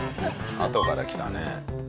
あとからきたね。